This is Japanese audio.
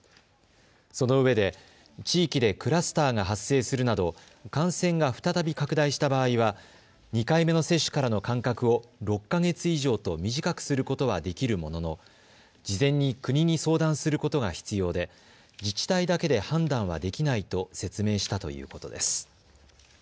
そのうえで地域でクラスターが発生するなど感染が再び拡大した場合は２回目の接種からの間隔を６か月以上と短くすることはできるものの事前に国に相談することが必要で自治体だけで判断はできないと説明したということです。